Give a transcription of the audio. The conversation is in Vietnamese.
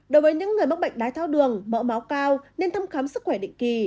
đối với những người mắc bệnh đái thao đường mẫu máu cao nên thăm khám sức khỏe định kỳ